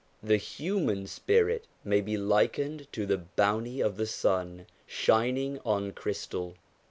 The human spirit may be likened to the bounty of the sun shining on crystal.